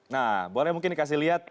nah boleh mungkin dikasih lihat